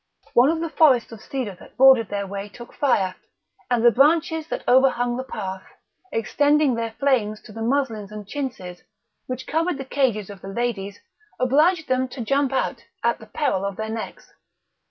One of the forests of cedar that bordered their way took fire, and the branches that overhung the path, extending their flames to the muslins and chintzes which covered the cages of the ladies, obliged them to jump out, at the peril of their necks.